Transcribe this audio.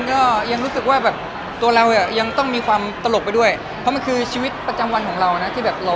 ก็ยังรู้สึกว่าแบบตัวเราอ่ะยังต้องมีความตลกไปด้วยเพราะมันคือชีวิตประจำวันของเรานะที่แบบรอ